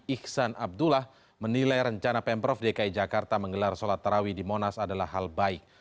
iksan abdullah menilai rencana pemprov dki jakarta menggelar sholat tarawih di monas adalah hal baik